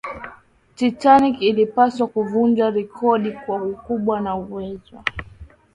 titanic ilipaswa kuvunja rekodi kwa ukubwa na uwezo